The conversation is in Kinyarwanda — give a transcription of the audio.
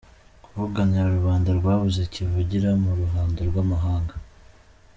– Kuvuganira rubanda rwabuze kivugira mu ruhando rw’amahanga;